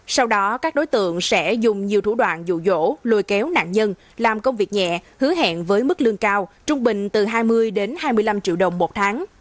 sau đó các đối tượng sẽ dùng nhiều thủ đoạn dụ dỗ lôi kéo nạn nhân làm công việc nhẹ hứa hẹn với mức lương cao trung bình từ hai mươi đến hai mươi năm triệu đồng một tháng